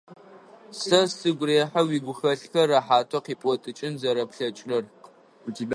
Сэ сыгу рехьы уигухэлъхэр рэхьатэу къипӏотыкӏын зэрэплъэкӏырэр.